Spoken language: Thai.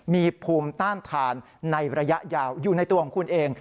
มีภูมิต้านทานในระยะยาวอยู่ในตัวของคุณเอง